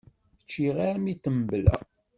Ččiɣ armi ṭembleɣ!